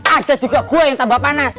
ada juga gua yang tambah panas